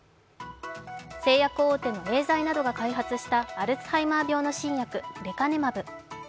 製薬大手のエーザイなどが開発したアルツハイマー病の新薬、レカネマブ。